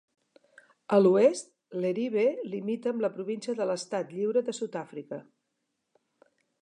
A l'oest, Leribe limita amb la Província de l'Estat Lliure de Sud-àfrica.